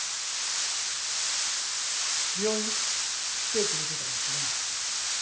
病院来てくれてたんだってな。